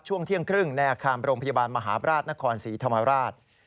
ช่วงเที่ยงครึ่งในอาคารโรงพยาบาลมหาบราชนครศรีธรรมราช